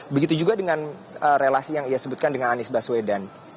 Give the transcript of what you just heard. begitu juga dengan relasi yang ia sebutkan dengan anies baswedan